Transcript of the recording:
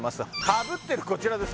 かぶってるこちらです